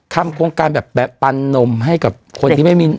ทำโครงการแบบปันนมให้กับคนที่ไม่มี